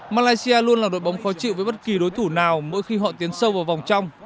malaysia luôn là đội bóng khó chịu với bất kỳ đối thủ nào mỗi khi họ tiến sâu vào vòng trong